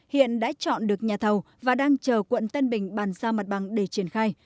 hiện đã chọn được nhà thầu và đang chờ quận tân bình bàn giao mặt bằng để triển khai